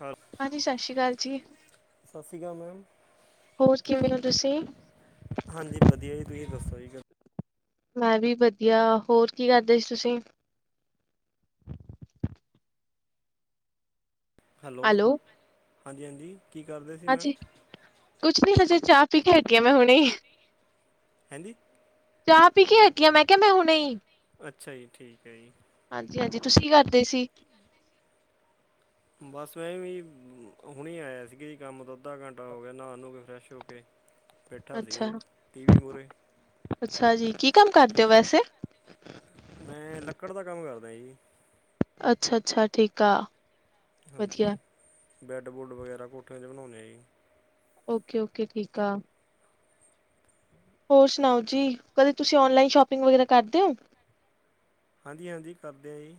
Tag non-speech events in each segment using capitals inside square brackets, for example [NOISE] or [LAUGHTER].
ਹਾਂ ਹਾਂਜੀ ਸਤਿ ਸ੍ਰੀ ਅਕਾਲ ਜੀ ਸਤਿ ਸ਼੍ਰੀ ਅਕਾਲ ਮੈਮ ਹੋਰ ਕਿਵੇਂ ਹੋ ਤੁਸੀਂ ਹਾਂਜੀ ਵਧੀਆ ਜੀ ਤੁਸੀਂ ਦੱਸੋ ਜੀ ਗੱਲ ਮੈਂ ਵੀ ਵਧੀਆ ਹੋਰ ਕੀ ਕਰਦੇ ਸੀ ਤੁਸੀਂ ਹੈਲੋ ਹਾਂਜੀ-ਹਾਂਜੀ ਕੀ ਕਰਦੇ ਸੀ ਮੈਂਮ ਹਾਂਜੀ ਕੁਛ ਨੀ ਹਜੇ ਚਾਹ ਪੀ ਕੇ ਹਟੀ ਹਾਂ ਮੈਂ ਹੁਣੇ ਹਂਦੀ ਚਾਹ ਪੀ ਕੇ ਹਟੀ ਆਂ ਮੈਂ ਕਿਹਾ ਮੈਂ ਹੁਣੇ ਅੱਛਾ ਜੀ, ਠੀਕ ਹੈ ਜੀ ਹਾਂਜੀ-ਹਾਂਜੀ ਤੁਸੀਂ ਕੀ ਕਰਦੇ ਸੀ ਬਸ ਮੈਂ ਵੀ ਹੁਣੇ ਆਇਆ ਸੀਗਾ ਜੀ ਕੰਮ ਤੋਂ ਅੱਧਾ ਘੰਟਾ ਹੋ ਗਿਆ ਨਹਾ ਨੂੰ ਕੇ ਫਰੈਸ਼ ਹੋ ਕੇ ਬੈਠਾ ਸੀਗਾ ਅੱਛਾ ਟੀ ਵੀ ਮੂਹਰੇ ਅੱਛਾ ਜੀ ਕੀ ਕੰਮ ਕਰਦੇ ਓ ਵੈਸੇ ਮੈਂ ਲੱਕੜ ਦਾ ਕੰਮ ਕਰਦਾ ਜੀ ਅੱਛਾ-ਅੱਛਾ ਠੀਕ ਆ ਹਾਂਜੀ ਵਧੀਆ ਬੈੱਡ ਬੁਡ ਵਗੈਰਾ ਕੋਠੀਆਂ ਚ ਬਣਾਉਂਦੇ ਆ ਜੀ ਓਕੇ-ਓਕੇ ਠੀਕ ਆ ਹੋਰ ਸੁਣਾਓ ਜੀ ਕਦੇ ਤੁਸੀਂ ਓਨਲਾਈਨ ਸ਼ੋਪਿੰਗ ਵਗੈਰਾ ਕਰਦੇ ਓ ਹਾਂਜੀ-ਹਾਂਜੀ ਕਰਦੇ ਆਂ ਜੀ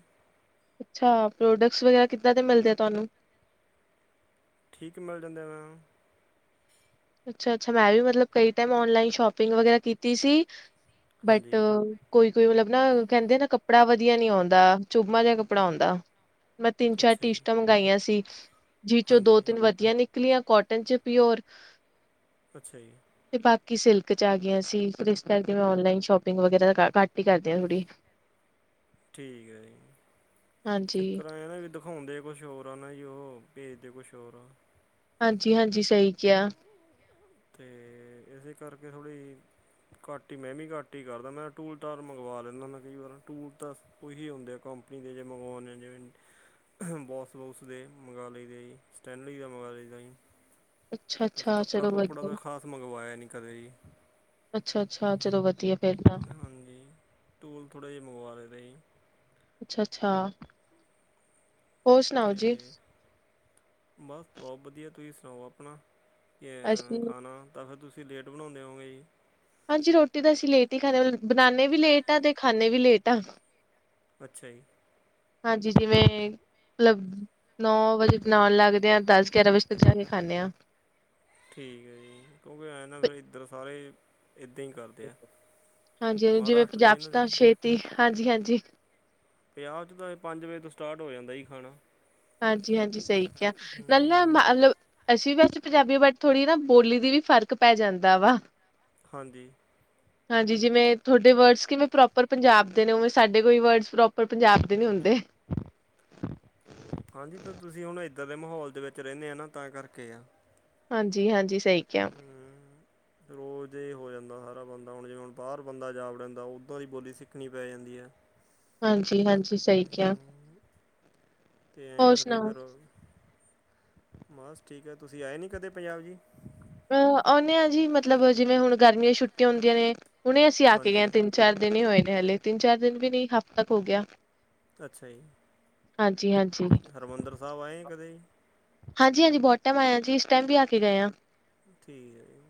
ਅੱਛਾ ਪ੍ਰੋਡਕਟਸ ਵਗੈਰਾ ਕਿੱਦਾਂ ਦੇ ਮਿਲਦੇ ਆ ਤੁਹਾਨੂੰ ਠੀਕ ਮਿਲ ਜਾਂਦੇ ਏ ਮੈਮ ਅੱਛਾ-ਅੱਛਾ ਮੈਂ ਵੀ ਮਤਲਬ ਕਈ ਟਾਈਮ ਓਨਲਾਈਨ ਸ਼ੋਪਿੰਗ ਵਗੈਰਾ ਕੀਤੀ ਸੀ ਬਟ ਹਾਂਜੀ ਕੋਈ-ਕੋਈ ਮਤਲਬ ਨਾ ਕਹਿੰਦੇ ਨਾ ਕੱਪੜਾ ਵਧੀਆ ਨੀ ਆਉਂਦਾ ਚੁੱਬਵਾ ਜਿਹਾ ਕੱਪੜਾ ਆਉਂਦਾ ਮੈਂ ਤਿੰਨ-ਚਾਰ ਅੱਛਾ ਜੀ ਟੀਸ਼ਟਾਂ ਮੰਗਵਾਈਆਂ ਸੀ, ਜਿਹ ਚੋਂ ਹਾਂਜੀ ਦੋ-ਤਿੰਨ ਵਧੀਆ ਨਿਕ ਨਿਕਲੀਆਂ ਕਾਟਨ ਚ ਪਿਓਰ ਅੱਛਾ ਜੀ- ਤੇ ਬਾਕੀ ਸਿਲਕ ਚ ਆ ਗਈਆਂ ਸੀ ਫਿਰ ਇਸ ਕਰਕੇ ਮੈਂ ਓਨਲਾਈਨ ਸ਼ੋਪਿੰਗ ਵਗੈਰਾ ਘੱਟ ਹੀ ਕਰਦੀ ਹਾਂ ਥੋੜ੍ਹੀ ਠੀਕ ਹੈ ਜੀ, ਹਾਂਜੀ, ਚੱਕਰ ਆ ਨਾ ਵੀ ਹੁੰਦੇ ਕੁਛ ਹੋਰ ਆ ਨਾ ਜੀ ਉਹ ਭੇਜਦੇ ਕੁਛ ਹੋਰ ਆ ਹਾਂਜੀ-ਹਾਂਜੀ ਸਹੀ ਕਿਹਾ ਅਤੇ ਇਸਦੇ ਕਰਕੇ ਥੋੜ੍ਹੀ ਘਟ ਹੀ, ਮੈਂ ਵੀ ਘਟ ਹੀ ਕਰਦਾ ਮੈਂ ਟੂਲ-ਟਾਲ ਮੰਗਵਾ ਲੈਂਦਾ ਵਾ ਕਈ ਵਾਰ ਟੂਲ ਤਾਂ ਕੁਸ਼ ਨੀ ਹੁੰਦੇ ਕੰਪਨੀ ਦੇ ਜੇ ਮੰਗਵਾਨੇ ਨੇ ਜੇ ਬੋਸ-ਬੋਊਸ ਦੇ ਮੰਗਵਾ ਲਈਦੇ ਜੀ ਸਟੈਨਲੀ ਦਾ ਮੰਗਵਾ ਲਈਦਾ ਜੀ ਉਸ ਅੱਛਾ-ਅੱਛਾ ਕੱਪੜਾ ਚਲੋ ਕੁਪੜਾ ਵਧੀਆ ਤਾਂ ਖਾਸ ਮੰਗਵਾਇਆ ਨਹੀਂ ਕਦੇ ਜੀ ਅੱਛਾ, ਅੱਛਾ ਚਲੋ ਵਧੀਆ। ਫੇਰ ਤਾਂ ਹਾਂਜੀ, ਟੂਲ ਥੋੜ੍ਹਾ ਜਿਹਾ ਮੰਗਵਾ ਲਇਦਾ ਜੀ। ਅੱਛਾ ਅੱਛਾ ਹੋਰ ਸੁਣਾਓ ਜੀ ਅਤੇ ਬਸ ਬਹੁਤ ਵਧੀਆ ਤੁਸੀਂ ਸੁਣਾਓ ਆਪਣਾ ਕਿ ਅਸੀਂ ਖਾਣਾ ਤਾਂ ਫਿਰ ਤੁਸੀਂ ਲੇਟ ਬਣਾਉਂਦੇ ਹੋਗੇ ਜੀ ਹਾਂਜੀ ਰੋਟੀ ਤਾਂ ਅਸੀਂ ਲੇਟ ਹੀ ਖਾਂਦੇ ਬਣਾਉਦੇ ਵੀ ਲੇਟ ਆ ਤੇ ਖਾਂਦੇ ਵੀ ਲੇਟ ਆਂ ਅੱਛਾ ਜੀ ਹਾਂਜੀ ਜਿਵੇਂ ਲਬ ਨੌ ਵਜੇ ਬਣਾਉਣ ਲੱਗਦੇ ਆ ਦਸ ਗਿਆਰਾਂ ਵਜੇ ਤੱਕ ਜਾ ਕੇ ਖਾਂਦੇ ਆਂ ਠੀਕ ਏ ਜੀ ਕਿਉਂਕਿ ਐਂ ਨਾ ਫਿਰ ਇੱਧਰ ਸਾਰੇ ਇੱਦਾਂ ਹੀ ਕਰਦੇ ਆ, ਮਹਾਰਾਸ਼ਟਰ 'ਚ ਇਹਨਾਂ ਦੀ। ਤੇ ਹਾਂਜੀ-ਹਾਂਜੀ। ਵਿਆਹ 'ਚ ਤਾਂ ਪੰਜ ਵਜੇ ਤੋਂ ਸਟਾਰਟ ਹੋ ਜਾਂਦਾ ਜੀ ਖਾਣਾ। ਹਾਂਜੀ-ਹਾਂਜੀ ਸਹੀ ਕਿਹਾ ਲ ਹੂੰ ਮਤਲਬ। ਅਸੀਂ ਵੈਸੇ ਪੰਜਾਬੀ ਬਟ ਥੋੜ੍ਹੀ ਨਾ ਬੋਲੀ ਦੀ ਵੀ ਫ਼ਰਕ ਪੈ ਜਾਂਦਾ ਵਾ। ਹਾਂਜੀ। ਹਾਂਜੀ ਜਿਵੇਂ ਤੁਹਾਡੇ ਵਰਡਜ਼ ਕਿਵੇਂ ਪ੍ਰੋਪਰ ਪੰਜਾਬ ਦੇ ਨੇ ਉਵੇਂ ਸਾਡੇ ਕੋਈ ਵਰਡਜ਼ ਪ੍ਰੋਪਰ ਪੰਜਾਬ ਦੇ ਨਹੀ ਹੁੰਦੇ। ਹਾਂਜੀ ਫਿਰ ਤੁਸੀਂ ਹੁਣ ਇੱਦਾਂ ਦੇ ਮਾਹੌਲ ਦੇ ਵਿੱਚ ਰਹਿੰਦੇ ਆ ਨਾ ਤਾਂ ਕਰਕੇ ਆ। ਹਾਂਜੀ, ਹਾਂਜੀ ਸਹੀ ਕਿਹਾ। ਹਮ। ਰੋਜ਼ ਇਹ ਹੋ ਜਾਂਦਾ ਸਾਰਾ ਬੰਦਾ ਹੁਣ ਜਿਵੇਂ ਹੁਣ ਬਾਹਰ ਬੰਦਾ ਜਾ ਵੜਦਾ ਉੱਦਾਂ ਦੀ ਬੋਲੀ ਸਿੱਖਣੀ ਪੈ ਜਾਂਦੀ ਹੈ। ਹਾਂਜੀ, ਹਾਂਜੀ ਸਹੀ ਕਿਹਾ। ਹੂੰ ਅਤੇ ਐਂ ਹੋਰ ਕਰਕੇ ਸੁਣਾਓ ਫਿਰ, ਬਸ ਠੀਕ ਹੈ, ਤੁਸੀਂ ਆਏ ਨਹੀਂ ਕਦੇ ਪੰਜਾਬ ਜੀ? ਅਹ ਆਉਂਦੇ ਹਾਂ ਜੀ ਮਤਲਬ ਜਿਵੇਂ ਹੁਣ ਗਰਮੀਆਂ ਛੁੱਟੀਆਂ ਹੁੰਦੀਆਂ ਨੇ ਹੁਣੇ ਅਸੀਂ ਆ ਕੇ ਗਏ ਹਾਂਜੀ ਆ ਤਿੰਨ। ਚਾਰ ਦਿਨ ਹੀ ਹੋਏ ਨੇ ਹਲੇ ਤਿੰਨ ਚਾਰ ਦਿਨ ਵੀ ਨਹੀਂ ਹਫ਼ਤਾ ਕ ਹੋ ਗਿਆ। ਅੱਛਾ ਜੀ, ਹਾਂਜੀ ਹਾਂਜੀ ਹਰਿਮੰਦਰ ਸਾਹਿਬ ਆਏ ਕਦੇ ਜੀ? ਹਾਂਜੀ, ਹਾਂਜੀ ਬਹੁਤ ਟਾਈਮ ਆਏ ਆ ਜੀ ਇਸ ਟਾਈਮ ਵੀ ਆ ਕੇ ਗਏ ਹਾਂ। ਠੀਕ ਹੈ ਜੀ,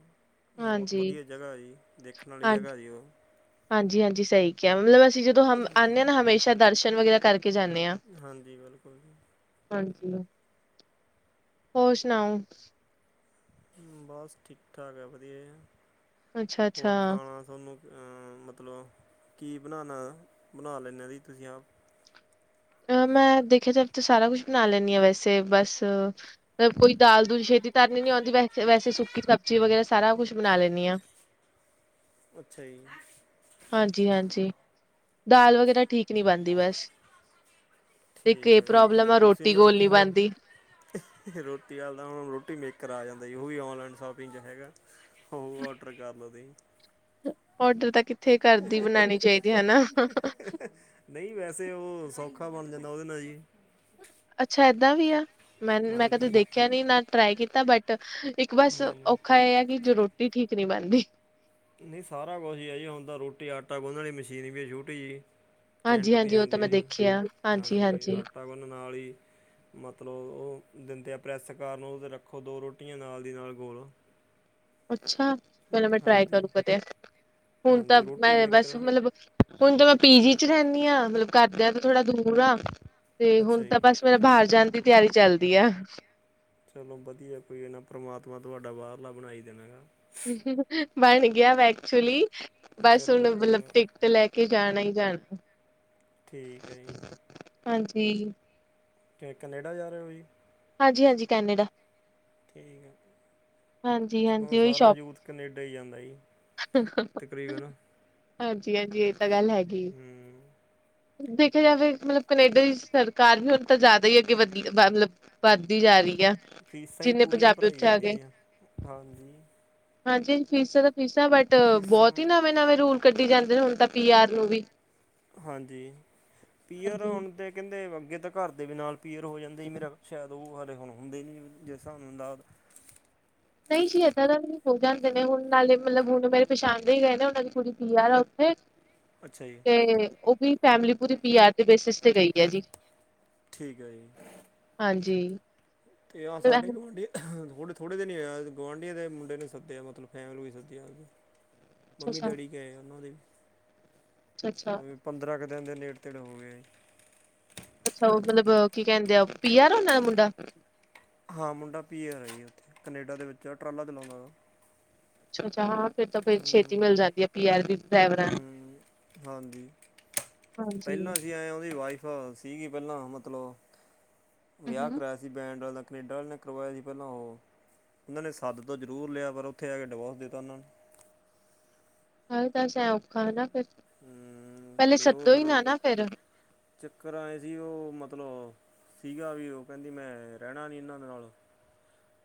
ਬਹੁਤ ਹਾਂਜੀ ਵਧੀਆ ਜਗ੍ਹਾ ਜੀ ਦੇਖਣ ਵਾਲੀ ਹਾਂ ਜਗ੍ਹਾ ਜੀ ਉਹ। ਹਾਂਜੀ, ਹਾਂਜੀ ਸਹੀ ਕਿਹਾ ਮਤਲਬ ਅਸੀਂ ਜਦੋਂ ਹਮ ਆਉਂਦੇ ਹਾਂਜੀ ਹਾਂ ਨਾ ਹਮੇਸ਼ਾ ਦਰਸ਼ਨ ਵਗੈਰਾ ਕਰਕੇ ਜਾਂਦੇ ਹਾਂ। ਹਾਂਜੀ, ਬਿਲਕੁਲ ਜੀ। ਹਾਂਜੀ। ਹੋਰ ਸੁਣਾਓ? ਬਸ ਠੀਕ ਠਾਕ ਹੈ, ਵਧੀਆ ਅੱਛਾ ਅੱਛਾ ਹੋਰ ਖਾਣਾ। ਤੁਹਾਨੂੰ ਮਤਲਬ ਕੀ ਬਣਾਉਣਾ ਬਣਾ ਲੈਂਦੇ ਹੋ ਜੀ ਤੁਸੀਂ ਆਪ? ਅ ਮੈਂ ਦੇਖਿਆ ਜਾਏ ਤਾਂ ਸਾਰਾ ਕੁਛ ਬਣਾ ਲੈਦੀ ਹਾਂ ਵੈਸੇ ਬਸ। ਮਤਲਬ ਕੋਈ ਦਾਲ ਦੂਲ ਛੇਤੀ ਧਰ ਲੈਂਦੀ ਆਉਂਦੀ ਵੈਸ ਵੈਸੇ ਸੁੱਕੀ ਸਬਜ਼ੀ ਵਗੈਰਾ ਸਾਰਾ ਕੁਛ ਬਣਾ ਲੈਂਦੀ ਆ। ਅੱਛਾ ਜੀ। ਹਾਂਜੀ, ਹਾਂਜੀ ਦਾਲ ਵਗੈਰਾ ਠੀਕ ਨਹੀਂ ਬਣਦੀ ਬਸ। ਤੇ ਇਕ ਠੀਕ ਇਹ ਹੈ ਜੀ ਪ੍ਰੋਬਲਮ ਆ ਤੁਸੀਂ ਰੋਟੀ ਨਾ ਗੋਲੀ ਨਹੀਂ ਬਣਦੀ। ਰੋਟੀ ਵਲ ਦਾ ਹੁਣ ਰੋਟੀ ਮੇਕਰ ਆ ਜਾਂਦਾ ਉਹ ਹੀ ਔਨਲਾਈਨ ਸ਼ੋਪਿੰਗ ਵਿੱਚ ਹੈਗਾ। ਹੋ ਔਡਰ ਕਰ ਲਉ ਤੁਸੀਂ। ਔਡਰ ਤਾਂ ਕਿੱਥੇ ਘਰ ਦੀ ਬਣਾਉਣੀ ਚਾਹੀਦੀ ਹੈ ਨਾ। ਨਹੀਂ ਵੈਸੇ ਉਹ ਸੌਖਾ ਬਣ ਜਾਂਦਾ ਉਹਦੇ ਨਾਲ ਜੀ। ਅੱਛਾ ਏਦਾਂ ਵੀ ਆ ਮੈਂ ਮੈਂ ਕਦੇ ਹਾਂਜੀ ਦੇਖਿਆ ਨੀ ਨਾ ਟਰਾਈ ਕੀਤਾ ਬਟ। ਇੱਕ ਬਸ ਨਹੀਂ ਨਹੀਂ ਔਖਾ ਇਹ ਆ ਕਿ ਜੋ ਰੋਟੀ ਠੀਕ ਨਹੀਂ ਬਣਦੀ। ਨਹੀਂ ਸਾਰਾ ਕੁਛ ਇ ਆ ਜੀ ਰੋਟੀ ਆਟਾ ਗੁੰਨਣ ਵਾਲੀ ਮਸ਼ੀਨ ਵੀ ਹੈ ਛੋਟੀ ਜਿਹੀ। ਹਾਂਜੀ ਕੈਂਟ ਦੀ ਹਾਂਜੀ ਉਹ ਤਾਂ ਆਉਂਦੀ ਹੈ ਮੈਂ ਜੀ ਦੇਖਿਆ ਹਾਂਜੀ ਆਟਾ ਗੁੰਨ ਨਾਲ ਹੀ। ਮਤਲਬ ਉਹ ਦਿੰਦੇ ਆ ਪ੍ਰੈੱਸ ਕਰਨ ਉਹ ਰੱਖੋ ਦੋ ਰੋਟੀਆਂ ਨਾਲ ਦੀ ਨਾਲ ਗੋਲ। ਅੱਛਾ, ਪਹਲੇ ਮੈਂ ਟਰਾਈ ਹਾਂਜੀ ਕਰੂੰ ਕਦੇ ਹੁਣ ਤਾਂ ਹਾਂਜੀ ਰੋਟੀ ਮੈਂ ਬਸ ਮੇਕਰ ਮਤਲਬ। ਹੁਣ ਤਾਂ ਮੈਂ ਪੀ ਜੀ ਚ ਰਹਿੰਦੀ ਹਾਂ। ਮਤਲਬ ਘਰ ਦਿਆਂ ਤੇ ਥੋੜਾ ਦੂਰ ਆ ਤੇ ਅੱਛਾ ਹੁਣ ਜੀ ਤਾਂ ਬਸ। ਮੇਰਾ ਬਾਹਰ ਜਾਣ ਦੀ ਤਿਆਰੀ ਚੱਲਦੀ ਆ। ਚਲੋ ਵਧੀਆ ਕੋਈ ਹੈ ਨਾ ਪਰਮਾਤਮਾ ਤੁਹਾਡਾ ਬਾਹਰਲਾ ਬਣਾਈ ਦੇਣਾ ਹੈਗਾ। ਬਣ ਗਿਆ ਵੈਂ, ਐਕਚੁਅਲੀ ਬਸ ਚਲੋ ਹੁਣ ਵਧੀਆ ਮਤਲਬ। ਵਾ ਤੇ ਲੈ ਕੇ ਜਾਣਾ ਜਾਣਾ। ਠੀਕ ਹੈ ਜੀ। ਹਾਂਜੀ। ਤੇ ਕੈਨੇਡਾ ਜਾ ਰਹੇ ਹੋ ਜੀ? ਹਾਂਜੀ ਹਾਂਜੀ ਕੈਨੇਡਾ। ਠੀਕ ਹੈ। ਹ ਹਾਂਜੀ-ਹਾਂਜੀ ਉਹੀ ਸਾਰਾ ਸ਼ੋਪ ਯੂਥ ਕਨੇਡਾ ਹੀ ਜਾਂਦਾ ਜੀ, ਤਕਰੀਬਨ। ਹਾਂਜੀ -ਹਾਂਜੀ ਇਹ ਤਾਂ ਗੱਲ ਹੈਗੀ। ਹੂੰ ਦੇਖਿਆ ਜਾਵੇ ਮਤਲਬ ਕਨੇਡਾ ਦੀ ਸਰਕਾਰ ਵੀ ਹੁਣ ਤਾਂ ਜ਼ ਵਧ ਹੀ ਅੱਗੇ ਵਧ ਮਤਲਬ ਵੱਧਦੀ ਜਾ ਰਹੀ ਆ ਫੀਸਾਂ ਹੀ ਜਿੰਨੇ ਪੂਰੀਆਂ ਪੰਜਾਬੀ ਭਰਾਈ ਉੱਥੇ ਆ ਗਏ। ਜਾਂਦੀਆਂ ਜ, ਹਾਂਜੀ ਹਾਂਜੀ, ਫੀਸਾਂ ਤਾਂ ਫੀਸਾਂ ਬਟ ਫੀਸਾਂ ਬਹੁਤ ਹੀ ਨਵੇਂ- ਨਵੇਂ ਰੂਲ ਕੱਢੀ ਜਾਂਦੇ ਨੇ ਹੁਣ ਤਾਂ ਪੀ ਆਰ ਨੂੰ ਵੀ ਹਾਂਜੀ, ਪੀਅਰ ਹਾਂਜੀ। ਹੁਣ ਤਾਂ ਕਹਿੰਦੇ ਅੱਗੇ ਤਾਂ ਘਰ ਦੇ ਵੀ ਨਾਲ ਪੀਅਰ ਹੋ ਜਾਂਦਾ ਹੀ ਮੇਰਾ ਸ਼ਾਇਦ ਉਹ ਹਲੇ ਹੁਣ ਹੁੰਦੇ ਨੀ ਜਿਸ ਹਿਸਾਬ ਨਾਲ। ਨਹੀਂ ਜੀ ਇਦਾਂ ਦਾ ਨ ਹੋ ਜਾਂਦੇ ਨੇ ਹੁਣ ਨਾਲੇ ਮਤਲਬ ਹੁਣ ਮੇਰੇ ਪਛਾਣਦੇ ਹੀ ਗਏ ਨੇ ਉਹਨਾਂ ਦੀ ਕੁੜੀ ਪੀ ਆਰ ਆ ਉੱਥੇ ਅੱਛਾ ਜੀ। ਤੇ ਉਹ ਵੀ ਫੈਮਿਲੀ ਪੂਰੀ ਪੀ ਆਰ ਦੀ ਬੇਸਿਸ ਤੇ ਗਈ ਆ ਜੀ। ਠੀਕ ਹੈ ਜੀ। ਹਾਂਜੀ। ਤੇ ਆਹ ਸਾਡੇ ਗੁਆਂਢੀ। ਥੋੜ੍ਹ ਥੋ੍ਹੇ ਦਿਨ ਨਹੀਂ ਹੋ ਆ ਗੁਆਂਢੀਆਂ ਦੇ ਮੁੰਡੇ ਸੱਦਿਆ ਮਤਲਬ ਫੈਮਲੀ ਵੀ ਸੱਦਿਆ। ਮੰਮੀ -ਡੈਡੀ ਗਏ ਉਹਨਾਂ ਦੇ ਵੀ। ਅੱਛਾ। ਪੰਦਰਾਂ ਕੁ ਦਿਨ ਦੇ ਨੇੜ ਤੇੜ ਹੋ ਗਏ ਜੀ। ਅੱਛਾ ਉਹ ਮਤਲਬ ਕੀ ਕਹਿੰਦੇ ਆ, ਪੀਆਰ ਉਹਨਾਂ ਦਾ ਮੁੰਡਾ। ਹਾਂ ਮੁੰਡਾ ਪੀ ਆਰ ਜੀ ਉੱਥੇ, ਕਨੇਡਾ ਦੇ ਵਿੱਚ ਟਰਾਲਾ ਚਲਾਉਂਦਾ ਵਾ। ਅੱ ਅੱਛਾ ਹਾਂ ਫੇਰ ਤਾਂ ਫਿਰ ਛੇਤੀ ਮਿਲ ਜਾਂਦੀ ਹੈ ਪੀ ਆਰ ਦੀ। ਡਰਾਈਵਰਾਂ ਨੂੰ। ਹਮ ਹਾਂਜੀ ਹਾਂਜੀ। ਪਹਿਲਾਂ ਸੀ ਆਏ ਉਹਦੀ ਵਾਈਫ ਅੱਛ ਸੀਗੀ ਪਹਿਲਾਂ ਮਤਲਬ, ਵਿਆਹ ਹੂੰ ਕਰਾਇਆ। ਕਿ ਬੈਂਡ ਵਾਲਾ ਕਨੇਡਾ ਕਰਵਾਇਆ ਸੀ ਪਹਿਲਾਂ ਉਹ ਉਹਨਾਂ ਨੇ ਸੱਦ ਤਾਂ ਜ਼ਰੂਰ ਲਿਆ ਪਰ ਉੱਥੇ ਆ ਕੇ ਡਿਵੋਰਸ ਦਿੱਤਾ ਉਹਨਾਂ ਨੇ। ਹ ਤਾਂਸ ਐ ਔਖਾ ਹਨ ਨਾ ਫਿਰ, ਹਮ, ਪਹਿਲੇ ਤੇ ਉਹ ਸੱਦੋ ਫਿਰ ਹੀ ਨਾ ਨਾ ਫੇਰ ਚੱਕਰ ਆਏ ਸੀ ਉਹ ਮਤਲਬ, ਸੀਗਾ ਵੀ ਉਹ ਕਹਿੰਦੀ ਮੈਂ ਰਹਿਣਾ ਨਹੀਂ ਇਹਨਾਂ ਦੇ ਨਾਲ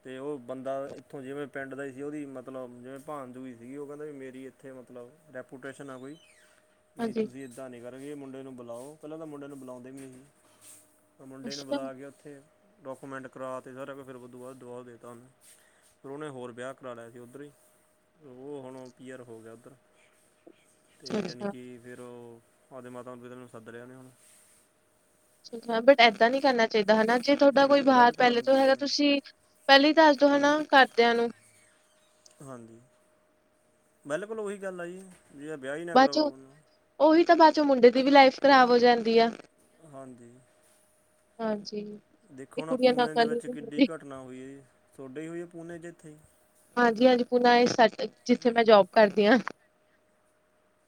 ਅਤੇ ਉਹ ਬੰਦਾ ਇੱਥੋਂ ਜਿਵੇਂ ਪਿੰਡ ਦਾ ਹੀ ਸੀ ਉਹਦੀ ਮਤਲਬ ਜਿਵੇਂ ਭਣਜੂਈ ਸੀਗੀ ਉਹ ਕਹਿੰਦਾ ਵੀ ਮੇਰੀ ਇੱਥੇ ਮਤਲਬ ਰੈਪੂਟੇਸ਼ਨ ਆ ਗਈ। ਵੀ ਹਾਂਜੀ। ਤੁਸੀਂ ਇੱਦਾਂ ਨਹੀਂ ਕਰਗੇ ਮੁੰਡੇ ਨੂੰ ਬੁਲਾਓ ਪਹਿਲਾਂ ਤਾਂ ਮੁੰਡੇ ਨੂੰ ਬੁਲਾਉਂਦੇ ਵੀ ਨਹੀਂ ਸੀ। ਮੁੰਡੇ ਨੂੰ ਅੱਛਾ, ਬੁਲਾ ਕੇ ਉੱਥੇ, ਡਾਕੂਮੈਂਟ ਕਰਾ ਅਤੇ ਸਾਰਾ ਕੁ ਫਿਰ ਉਹ ਤੋਂ ਬਾਅਦ ਜਵਾਬ ਦੇਤਾ ਉਹਨੂੰ, ਫਿਰ ਉਹਨੇ ਹੋਰ ਵਿਆਹ ਕਰਾ ਲਿਆ ਸੀ ਉੱਧਰ ਹੀ। ਉਹ ਹੁਣ ਪੀਅਰ ਹੋ ਗਿਆ ਉੱਧਰ। ਤੇ ਯਾਨੀ ਅੱਛਾ-ਅੱਛਾ। ਕਿ ਫਿਰ ਉਹ ਆਪਦੇ ਮਾਤਾ ਪਿਤਾ ਨੂੰ ਸੱਦ ਲਿਆ ਨੇ ਹੁਣ। ਅੱ ਅੱਛਾ ਬਟ ਏਦਾਂ ਨੀ ਕਰਨਾ ਚਾਹੀਦਾ ਹਨਾ ਜੇ ਤੁਹਾਡਾ ਕੋਈ ਹੂੰ ਬਾਹਰ ਬਿਲਕੁਲ ਪਹਿਲੇ ਹਾਂਜੀ ਤੋਂ ਹੈਗਾ ਹਾਂਜੀ ਤੁਸੀਂ ਪਹਿਲਾ ਹੀ ਦੱਸ ਦੋ ਹਨਾ ਹਾਂਜੀ ਘਰਦਿਆਂ ਨੂੰ। ਹਾਂਜੀ, ਬਿਲਕੁਲ ਉਹੀ ਗੱਲ ਆ ਜੀ ਜੇ ਵਿਆਹ ਹੀ ਨਾ ਬਾਅਦ ਕਰਵਾ ਚੋਂ ਉਹਨੂੰ। ਉਹੀ ਤਾਂ ਬਾਅਦ ਚੋਂ ਮੁੰਡੇ ਦੀ ਵੀ ਲਾਈਫ ਖਰਾਬ ਹੋ ਜਾਂਦੀ ਆ। ਹਾਂਜੀ। ਹਾਂਜੀ। ਦੇਖੋ ਇਹ ਹੁ ਨਾ ਕੁੜੀਆਂ ਨਾਲ ਪੂਣੇੇ ਦੇ ਕਾਲੀ ਵਿੱਚ ਕਿੱਡੀ ਹੁੰਦੀ ਘਟਨਾ ਹੋਈ ਹੈ ਤੁਹਾਡੇ ਹੀ ਹੋਈ ਹੈ ਪੂਨੇ 'ਚ ਇੱਥੇ ਹੀ। ਹਾਂਜੀ -ਹਾਂਜੀ ਪੁੂਨਾ ਇਹ ਸਟ ਜਿੱਥੇ ਮੈਂ ਜੋਬ ਕਰਦੀ ਹਾਂ।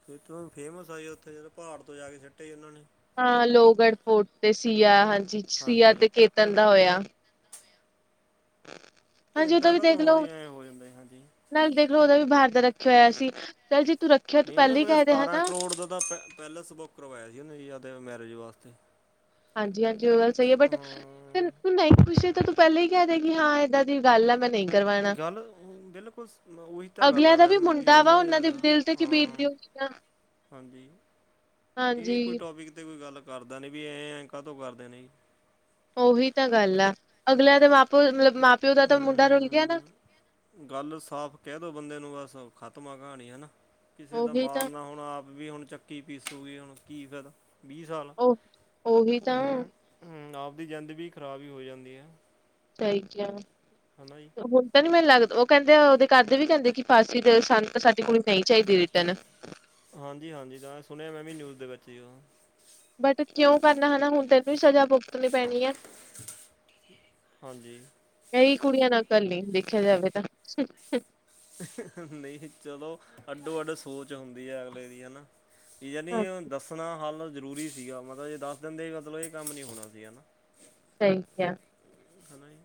ਫ ਫੇਮਸ ਆ ਉੱਥੇ ਜਦੋਂ ਪਹਾੜ ਤੋਂ ਜਾ ਕੇ ਸਿੱਟੇ ਸੀ ਉਹਨਾਂ ਨੇ। ਹਾਂ ਲੋਹਗੜ੍ਹ ਫੋਰਟ ਤੇ ਸੀਆ ਹਾਂਜੀ ਸੀਆ ਹਾਂਜੀ ਤੇ ਕੇਤਨ ਦਾ ਹੋਇਆ। ਹ। ਇੱਦਾਂ ਕਦੋਂ ਹੋ ਐ ਹੋ ਜਾਂਦੇ ਹਾਂਜੀ ਨਾਲ ਦੇਖ ਲੋ ਉਹਦਾ ਵੀ ਬਹਾਰਦਰ ਰੱਖਿਆ ਹੋਇਆ ਸੀ, ਚੱਲ ਜੀ ਤੂੰ ਰੱਖ ਨਹੀਂ ਉਹਨੇ ਮਨੇ ਸਤਾਰਾਂ ਕਰੋੜ ਦਾ ਤਾਂ, ਪੈਲੇਸ ਬੁੱਕ ਕਰਵਾਇਆ ਸੀ ਉਹਨੇਦ ਮੈਰਿਜ ਵਾਸਤੇ। ਹਾਂਜੀ -ਹਾਂਜੀ ਉਹ ਗੱਲ ਸਹੀ ਹੈ ਬਟ ਫ ਹਾਂ ਤੂੰ ਨਹੀਂ ਪੁੱਛੇ, ਤਾਂ ਤੂੰ ਪਹਿਲਾਂ ਹੀ ਕਹਿ ਦੇਗੀ ਹਾਂ ਕਿ ਏਦਾਂ ਦੀ ਗੱਲ ਆ ਮੈਂ ਨਹੀਂ ਕਰਵਾਣਾ, ਗੱਲ ਅਮ, ਬਿਲਕੁਲ ਸ- ਮ- ਉਹੀ ਤਾਂ ਗੱਲ ਅਗਲਿਆਂ ਆ ਦਾ ਵੀ ਮੈਮ ਮੁੰਡਾ ਵਾ ਹਨਾ ਉਹਨਾਂ ਦੇ ਯਾਰ, ਦਿਲ ਤੇ ਕਿ ਬੀਤ ਹਾਂ ਦਿਓ ਹ ਹਾਂਜੀ, ਇਹ ਕੋਈ ਟੋਪਿਕ 'ਤੇ ਕੋਈ ਗੱਲ ਕਰਦਾ ਨਹੀਂ ਵੀ ਐਂ ਐਂ ਕਾਹਦੋਂ ਕਰਦੇ ਨੇ ਜੀ। ਉਹੀ ਤਾਂ ਗੱਲ ਆ, ਅਗਲਿਆਂ ਦੇ ਮਾਂ ਪਿਓ ਮਤਲਬ ਮਾਂ ਪਿਓ ਦਾ ਤਾਂ ਮੁੰਡਾ ਰੁਲ ਗਿਆ ਨਾ। ਹੂੰ ਗੱਲ ਸਾਫ਼ ਕਹਿ ਦੋ ਬੰਦੇ ਨੂੰ ਬਸ, ਖ਼ਤਮ ਆ ਕਹਾਣੀ ਹੈ। ਕਿਸੇ ਦਾ ਉਹੀ ਤਾਂ ਮਾਰ ਨਾ ਹੁਣ, ਆਪ ਵੀ ਹੁਣ ਚੱਕੀ ਪੀਸੂਗੀ ਹੁਣ ਕੀ ਫਾਇਦਾ। ਵੀਹ ਸਾਲ, ਉਹ ਉਹੀ ਤਾਂ ਹ ਆਪਦੀ ਜ਼ਿੰਦ ਵੀ ਖ਼ਰਾਬ ਹੀ ਹੋ ਜਾਂਦੀ ਹੈ। ਸਹੀਕ ਹਨਾ ਜੀ। ਹੁਣ ਤਾਂ ਨੀ ਮੈਨੂੰ ਲੱਗਦਾ, ਉਹ ਕਹਿੰਦੇ ਉਹਦੇ ਘਰਦੇ ਵੀ ਕਹਿੰਦੇ ਕਿ ਫਾਸੀ ਤੇ ਸਾਨੂੰ ਸਾਡੀ ਕੁੜੀ ਨਹੀਂ ਚਾਹੀਦੀ ਰਿਟਰਨ ਹਾਂਜੀ -ਹਾਂਜੀ ਤਾਂ ਸੁਣਿਆ ਮੈਂ ਵੀ ਨਿਊਜ਼ ਦੇ ਵਿੱਚ ਹੀ ਉਹ। ਬਟ ਕਿਉਂ ਕਰਨਾ ਹਨਾ, ਹੁਣ ਤੈਨੂੰ ਵੀ ਸਜ਼ਾ ਬ ਭੁਗਤਣੀ ਪੈਣੀ ਆ ਹਾਂਜੀ ਕਈ ਕੁੜੀਆਂ ਨਕਲ ਨ, ਦੇਖਿਆ ਜਾਵੇ ਤਾਂ। ਨਹੀਂ ਚਲੋ, ਅੱਡੋ ਅੱਡ ਸੋਚ ਹੁੰਦੀ ਹੈ ਅਗਲੇ ਦੀ ਹਨਾ। ਯਾਨੀ ਹਾਂ ਦੱਸਣਾ ਹੱਲ ਜ਼ਰੂਰੀ ਸੀਗਾ ਮਤਲਬ ਜੇ ਦਸ ਦਿੰਦੇ ਦੇ ਮਤਲਬ ਇਹ ਕੰਮ ਨਹੀਂ ਹੋਣਾ ਸੀਗਾ ਨਾ। ਸਹੀ ਕਿਹਾ ਹਨਾ ਜੀ,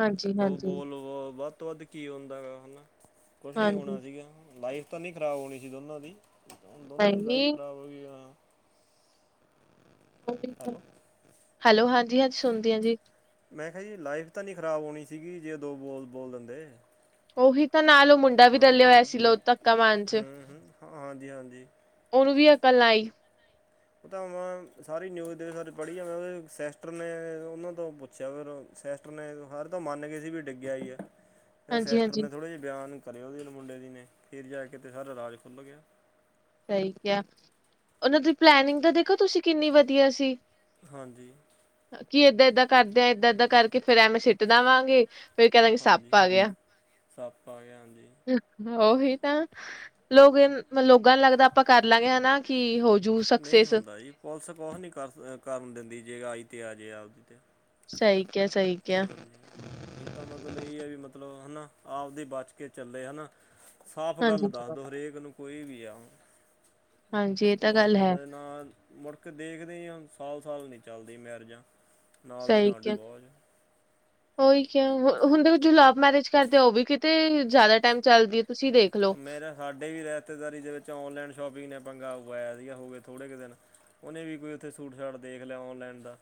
ਹਾਂਜੀ ਦੋ ਹਾਂਜੀ ਬੋਲ ਵੱਧ ਤੋਂ ਵੱਧ ਕੀ ਹੁੰਦਾ ਹੈਗਾ ਹਨਾ। ਕੁਛ ਨਹੀਂ ਹਾਂਜੀ ਹੋਣਾ ਸੀਗਾ, ਲਾਈਫ ਤਾਂ ਨਹੀਂ ਖ਼ਰਾਬ ਹੋਣੀ ਸੀ ਦੋਨਾਂ ਦੀ। ਅਤੇ, ਦੋਨੋਂ ਦੀ ਲਾਈਫ ਨਹੀਂ ਖਰਾਬ ਹੋਈ। ਹੈਲੋ ਹੈਲੋ ਹਾਂਜੀ ਹਾਂਜੀ ਸੁਣਦੀ ਹਾਂ ਜੀ। ਮੈਂ ਕਿਹਾ ਜੀ ਲਾਈਫ ਤਾਂ ਨਹੀਂ ਖ਼ਰਾਬ ਹੋਣੀ ਸੀਗੀ ਜੇ ਦੋ ਬੋਲ ਬੋਲ ਦਿੰਦੇ। ਉਹੀ ਤਾਂ ਨਾਲ ਉਹ ਮੁੰਡਾ ਵੀ ਹਾਂਜੀ ਰਲਿਆ ਹੋਇਆ ਸੀ, ਲੋ ਧੱਕਾ ਮਾਰਨ ਚ। ਹ ਹਾਂਜੀ -ਹਾਂਜੀ। ਉਹਨੂੰ ਵੀ ਅਕਲ ਆਈ ਉਹ ਤਾਂ ਮੈਂ, ਸਾਰੀ ਨਿਊਜ਼ ਦੇਵ ਪੜ੍ਹੀ ਆ ਮੈਂ ਉਹ ਸੈਸਟਰ ਨੇ ਉਹਨਾਂ ਤੋਂ ਪੁੱਛ ਅੱਛਾ ਫਿਰ ਸੈਸਟਰ ਨੇ, ਹਰ ਤਾਂ ਮੰਨ ਕੇ ਸੀ ਵੀ ਡਿੱਗਿਆ ਹੀ ਆ। ਫਿਰ ਹਾਂਜੀ ਸਿਸਟਰ ਹਾਂਜੀ ਨੇ ਥੋੜ੍ਹੇ ਜਿਹੇ ਬਿਆਨ ਕਰੇ ਉਹਦੇ ਮੁੰਡੇ ਦੀ ਨੇ, ਫਿਰ ਜਾ ਕੇ ਅਤੇ ਸਾਰਾ ਰਾਜ ਖੁੱਲ੍ਹ ਗਿਆ। ਸਹੀ ਕਿਹਾ ਹੈ, ਉਹਨਾਂ ਦੀ ਪਲੈਨਿੰਗ ਤਾਂ ਦੇਖੋ ਤੁਸੀਂ ਕਿੰਨੀ ਵਧੀਆ ਸੀ। ਹਾਂਜੀ ਕੀ ਏਦਾਂ ਏਦਾਂ ਕਰਦੇ ਆ, ਏਦਾਂ ਏਦਾਂ ਕਰਕੇ ਫੇਰ ਐਵੇਂ ਸਿੱਟ ਦੇਵਾਂਗੇ। ਫਿਰ ਕਹਿੰਦਾ ਕਿ ਹਾਂਜੀ ਸੱਪ ਆ ਗਿਆ। ਸੱਪ ਆ ਗਿਆ ਹਾਂਜੀ ਉਹੀ ਤਾਂ, ਲੋਕ ਲੋੰਗਾ ਨੂੰ ਲੱਗਦਾ ਆਪਾਂ ਕਰ ਲਾਂਗੇ ਹਨਾ। ਕੀ ਹੋਜੂ। ਨਹੀਂ ਸਕਸੈਸ ਹੁੰਦਾ ਜੀ, ਪੁਲਿਸ ਕੁਛ ਨਹੀ ਕਰ ਕਰਨ ਦਿੰਦੀ ਜੇ ਆਈ ਤੇ ਆ ਜੇ ਆਪਦੀ ਤੇ। ਸਹੀ ਕਿਆ, ਸਹੀ ਕਿਆ। ਹਾਂਜੀ ਇਹ ਤਾਂ ਮਤਲਬ ਇਹ ਹੈ ਵੀ, ਮਤਲਬ ਹਨਾ ਆਪਦੀ ਬਚ ਕੇ ਚੱਲੇ ਹਨਾ। ਸਾਫ ਗੱਲ ਹਾਂਜੀ ਦੱਸ ਦੋ ਹਰੇਕ ਨੂੰ ਕੋਈ ਵੀ ਆ। ਹਾਂਜੀ ਇਹ ਤਾਂ ਗੱਲ ਬਾਜ਼ਾਂ ਹੈ ਦੇ ਨਾਲ ਮੁੜਖ ਦੇਖਦੇ ਹੀ, ਸਾਲ- ਸਾਲ ਨਹੀਂ ਚੱਲਦੀ ਮੈਰਿਜਾਂ। ਨਾਲ ਦੀ ਸਹੀ ਨਾਲ ਕਿਹਾ, ਡਿਵੋਰਸ ਉਹੀ ਕ ਹੁੰਣ ਦੇ ਜੋ ਲਵ ਮੈਰਿਜ ਕਰਦੇ ਆ ਉਹ ਵੀ ਤੇ ਜਿਆਦਾ ਟਾਈਮ ਚੱਲਦੀ ਹੈ, ਤੁਸੀਂ ਦੇਖ ਲਓ ਮੇਰਾ ਸਾਡੇ ਵੀ ਰਿਸ਼ਤੇਦਾਰੀ ਦੇ ਵਿੱਚ ਔਨਲਾਈਨ ਸ਼ੋਪਿੰਗ ਨੇ ਪੰਗਾ, ਪਇਆ ਸੀਗਾ ਹੋ ਗਵੇ ਥੋੜੇ ਕੁ ਦਿਨ ਉਹਨੇ ਵੀ ਕੋਈ ਉੱਥੇ ਸੂਟ-ਸ਼ਾਟ ਦੇਖ ਲਿਆ, ਔਨਲਾਈਨ ਦਾ।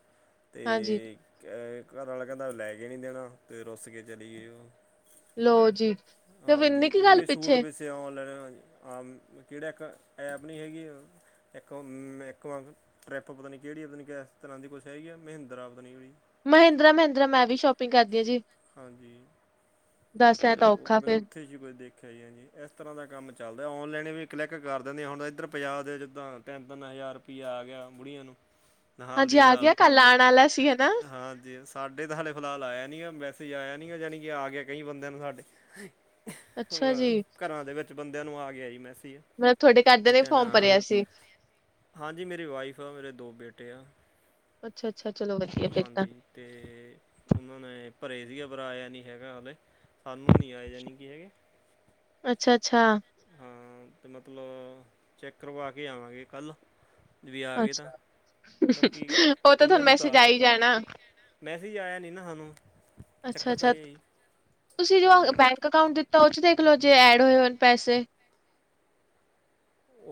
ਹਾਂਜੀ ਤੇ ਘਰ ਵਾਲਾ ਕਹਿੰਦਾ ਲੈ ਕੇ ਨਹੀਂ ਦੇਣਾ ਤੇ ਰੁੱਸ ਕੇ ਚਲੀ ਜਾ ਗਈ ੳ ਲੋ ਜੀ ਤੇ ਇੰਨੀ ਕੀ ਗੱਲ ਪਿੱਛੇ ਤੇ ਔਨਲਾਈਨ ਆ ਕਿਹੜੇ ਇੱਕ ਐਪ ਨਹੀਂ ਹੈਗੀ ਇੱਕੋ- ਇੱਕੋ ਵਾਂਗ ਟਰਿੱਪ ਪਤਾ ਨੀ ਕਿਹੜੀ ਪਤਾ ਨ ਇਸ ਤਰ੍ਹਾਂ ਦੀ ਕੁਛ ਹੈਗੀ ਆ ਮਹਿੰਦਰਾ ਆ ਪਤਾ ਨੀ ਕਿਹੜੀ ਮਹਿੰਦਰਾ, ਮਹਿੰਦਰਾ ਮੈਂ ਵੀ ਸ਼ੋਪਿੰਗ ਕਰਦੀ ਹਾਂ ਜੀ ਹਾਂਜੀ ਦੱਸ ਐ ਤਾਂ ਤੇ ਉਹ ਔਖਾ ਮਤਲਬ ਫੇਰ ਉੱਥੇ ਜ ਕੁਝ ਦੇਖਿਆ ਜੀ ਹ ਜੀ ਇਸ ਤਰ੍ਹਾਂ ਦਾ ਕੰਮ ਚੱਲਦਾ ਔਨਲਾਈਨ ਵੀ ਕਲਿੱਕ ਕਰ ਦਿੰਦੇ ਆ ਹੁਣ ਇੱਧਰ ਪੰਜਾਬ ਦੇ ਜਿੱਦਾਂ ਤਿੰਨ -ਤਿੰਨ ਹਜ਼ਾਰ ਕੀ ਆ ਗਿਆ ਬੁੜੀਆਂ ਨੂੰ ਨਾਲ ਹਾਂਜੀ ਦੀ ਆ ਨਾਲ ਗਿਆ ਕੱਲ ਆਉਣ ਵਾਲਾ ਸੀ ਹਨਾ ਹਾਂਜੀ ਸਾਡੇ ਤਾਂ ਹਾਲੇ ਫਿਲਹਾਲ ਆਇਆ ਨੀ ਆ, ਮੈਸੇਜ ਆਇਆ ਨੀ ਆ ਜਾਣੀ ਕਿ ਆ ਗਿਆ ਕਈ ਬੰਦਿਆਂ ਨੂੰ ਸਾਡੇ। ਅੱਛਾ ਜੀ ਘਰਾਂ ਦੇ ਵਿੱਚ ਬੰਦਿਆਂ ਨੂੰ ਆ ਗਿਆ ਜੀ ਮੈਸੀਜ। ਮੈਂ ਤੁਹਾਡੇ ਘਰਦੇ ਨੇ ਫੋਰਮ ਭਰਿਆ ਸੀ। ਹਾਂਜੀ ਮੇਰੀ ਵਾਈਫ ਆ, ਮੇਰੇ ਦੋ ਬੇਟੇ ਆ। ਅੱਛਾ ਅੱਛਾ, ਚਲੋ ਵਧੀਆ ਫੇਰ ਤਾਂ। ਅਤੇ ਉਹਨਾਂ ਨੇ ਭਰਿਆ ਦਾ ਪਰ ਆਇਆ ਨਹੀਂ ਹੈਗਾ, ਹਾਲੇ ਸਾਨੂੰ ਨਹੀਂ ਆਏ ਜਾਨਕੀ ਹੈਗੇ। ਅੱਛਾ, ਅੱਛਾ। ਹਾਂ ਤੇ ਮਤਲਬ, ਚੈੱਕ ਕਰਵਾ ਕੇ ਆਵਾਂਗੇ ਕੱਲ੍ਹ ਵੀਂ ਆ ਗਏ, ਤਾਂ ਬਾਕੀ ਉਹ ਤਾਂ ਕਈਆਂ ਤੁਹਾਨੂੰ ਨੂੰ ਤਾ ਮੈਸੇਜ ਆ ਹੀ ਜਾਣਾ। ਮੈਸੇਸ ਹੀ ਆਇਆ ਨਹੀਂ ਨਾ ਸਾਨੂੰ ਅੱਛਾ, ਚੱਕਰ ਤਾਂ ਅੱਛਾ ਇਹ ਹੈ ਜੀ ਤੁਸੀਂ ਜੋ ਹਾਂਜੀ ਬੈਂ ਅਕਾਊਂਟ ਦਿੱਤਾ, ਉਹ ਚ ਦੇਖਲੋ ਜੇ ਐਡ ਹੋਏ ਹੋਣ ਪੈਸੇ।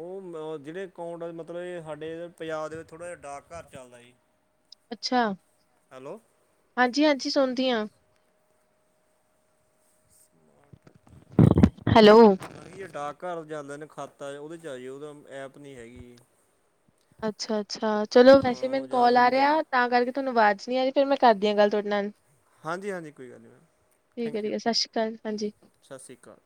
ਉਹ ਜਿਹੜੇ ਅਕਾਊਂਟ ਮਤਲਬ, ਸਾਡੇ ਪੰਜਾਬ ਦੇ ਵਿੱਚ ਥੋੜਾ ਜਿਹਾ ਡਾਕਘਰ ਚੱਲਦਾ ਸੀ। ਅੱਛਾ, ਹੈਲੋ, ਹਾਂਜੀ, ਹਾਂਜੀ ਸੁਣਦੀ ਹਾਂ। [UNINTELLIGIBLE] ਹੈਲੋ, ਨਹੀਂ ਜੇ ਡਾਕਘਰ ਜਾਂਦੇ ਨੇ ਖਾਤਾ, ਉਹਦੇ 'ਚ ਆ ਜਾਏ ਉਹਦਾ ਐਪ ਨਹੀਂ ਹੈਗੀ। ਅੱਛਾ, ਅੱਛਾ ਚਲੋ ਹਾਂ ਵੈਸੇ ਉਹ ਮੈਨੂੰ ਜਾ ਕੋਲ ਆ ਰਿਹਾ। ਤਾਂ ਕਰਕੇ ਤੁਹਾਨੂੰ ਆਵਾਜ਼ ਨੀ ਆ ਰਹੀ, ਫੇਰ ਕਦੀ ਗੱਲ ਤੁਹਾਡੇ ਨਾਲ। ਹਾਂਜੀ, ਹਾਂਜੀ ਕੋਈ ਗੱਲ ਨਹੀਂ ਮੈਮ, ਠੀਕ ਐ ਥੈਂਕ ਠੀਕ ਯੂ ਐ ਸਤਿ ਸ਼੍ਰੀ ਅਕਾਲ। ਹਾਂਜੀ। ਸਤਿ ਸ਼੍ਰੀ ਅਕਾਲ।